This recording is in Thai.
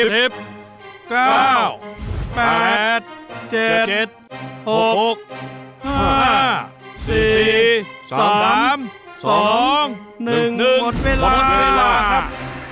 หมดเวลาครับ